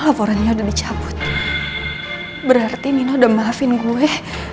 laporannya udah dicabut berarti mino udah maafin gue